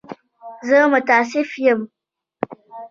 زه متأسف یم.